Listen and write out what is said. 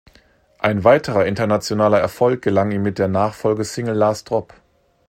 Ein weiterer internationaler Erfolg gelang ihm mit der Nachfolgesingle "Last Drop".